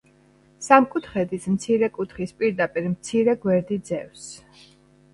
სამკუთხედის მცირე კუთხის პირდაპირ მცირე გვერდი ძევს.